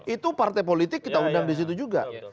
itu partai politik kita undang di situ juga